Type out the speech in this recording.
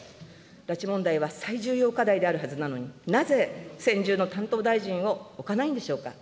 拉致問題は最重要課題であるはずなのに、なぜ専従の担当大臣を置かないんでしょうか。